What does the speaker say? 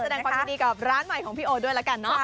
แสดงความยินดีกับร้านใหม่ของพี่โอด้วยแล้วกันเนอะ